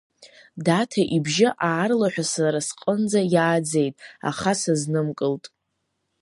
Даҭа ибжьы аарлаҳәа сара сҟынӡа иааӡеит, аха сазнымкылт…